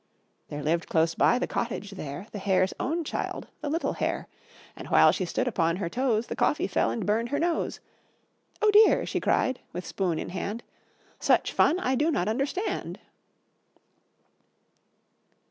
There lived close by the cottage there The hare's own child, the little hare; And while she stood upon her toes, The coffee fell and burned her nose. "Oh dear!" she cried, with spoon in hand, "Such fun I do not understand."